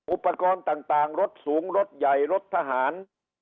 อุปกรณ์ต่างรถสูงรถใหญ่รถทหาร